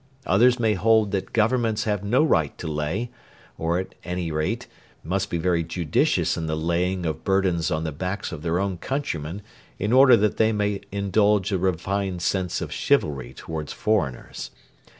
Others may hold that Governments have no right to lay, or at any rate must be very judicious in the laying of burdens on the backs of their own countrymen in order that they may indulge a refined sense of chivalry towards foreigners.